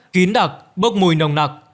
kín đặc bốc mùi nồng nặc